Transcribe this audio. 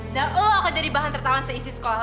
dan lo akan jadi bahan tertawan seisi sekolahnya